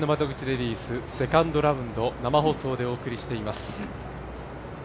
レディースセカンドラウンド生放送でお送りしています。